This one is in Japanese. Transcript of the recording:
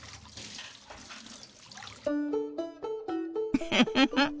フフフフ。